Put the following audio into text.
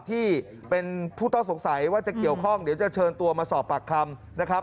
ที่เป็นผู้ต้องสงสัยว่าจะเกี่ยวข้องเดี๋ยวจะเชิญตัวมาสอบปากคำนะครับ